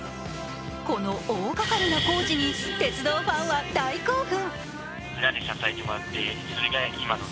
この大がかりな工事に鉄道ファンは大興奮。